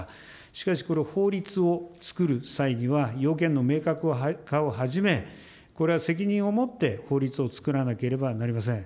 しかしこれ、法律を作る際には、要件の明確化をはじめ、これは責任を持って法律を作らなければなりません。